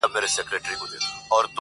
کنې ګران افغانستانه له کنعانه ښایسته یې,